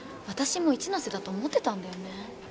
私も一ノ瀬だと思ってたんだよね。